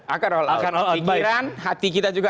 akan all out pikiran hati kita juga